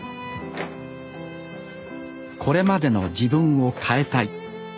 これまでの自分を変えたい。